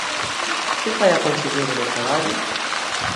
Que fai a conselleira de Traballo?